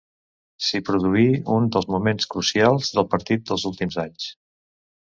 S'hi produí un dels moments crucials del partit dels últims anys.